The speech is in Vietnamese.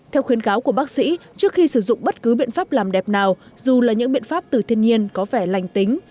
theo khuyến cáo của bác sĩ trước khi sử dụng bất cứ biện pháp làm đẹp nào dù là những biện pháp từ thiên nhiên có vẻ lành tính